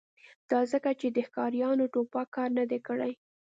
دا ځکه چې د ښکاریانو ټوپک کار نه دی کړی